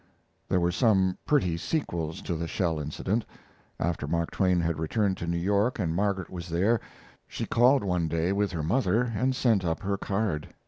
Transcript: There were some pretty sequels to the shell incident. After Mark Twain had returned to New York, and Margaret was there, she called one day with her mother, and sent up her card.